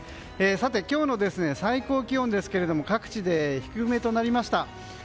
さて、今日の最高気温ですが各地で低めとなりました。